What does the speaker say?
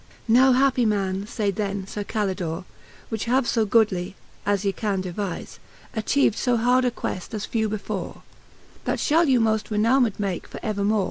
Now happy man, fayd then Sir Calldore^ Which have fo goodly, as ye can devize, Atchiev'd fb hard a queft, as few before; That Ihall you moft renowmed make for evermore.